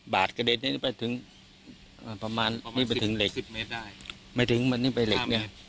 บาทเกดสนี้ได้ถึง๑๐เมตรไม่ถึงนี้ไปเหล็ก